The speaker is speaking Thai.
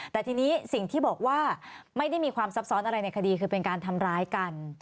แต่ทีนี้สิ่งที่บอกว่าไม่ได้มีความซับซ้อนอะไรในคดีคือเป็นการทำร้ายกัน